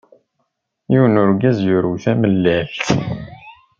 yiwen n urgaz yuru tamellalt!